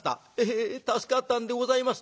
「ええ助かったんでございます」。